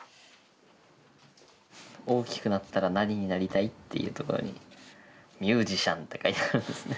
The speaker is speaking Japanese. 「おおきくなったらなにになりたい？」っていうところに「みゅーじしゃん」って書いてあるんですね。